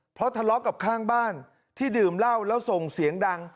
เพราะทะเลาะกับข้างบ้านที่ดื่มเหล้าแล้วส่งเสียงดัง